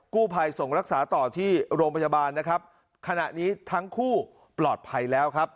กู้ภัยส่งรักษาต่อที่โรงพยาบาลนะครับขณะนี้ทั้งคู่ปลอดภัยแล้วครับ